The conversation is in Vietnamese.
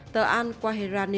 tờ an quahiran nói